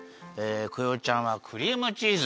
クヨちゃんはクリームチーズ。